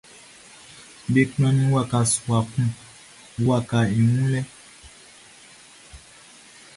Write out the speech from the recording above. Be kplannin waka sua kun wakaʼn i wun lɛ.